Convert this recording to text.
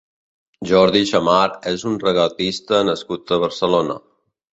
Jordi Xammar és un regatista nascut a Barcelona.